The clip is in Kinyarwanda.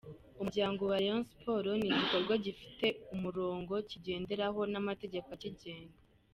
Umuryango wa Rayon Sports ni igikorwa gifite umurongo kigenderaho n’amategeko akigenga.